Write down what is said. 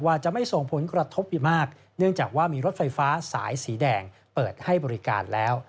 ว่ามีรถไฟฟ้าสายสีแดงเปิดให้บริการแล้ว